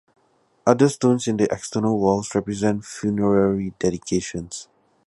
Other stones in the external walls represent funerary dedications.